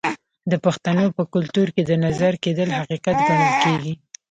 د پښتنو په کلتور کې د نظر کیدل حقیقت ګڼل کیږي.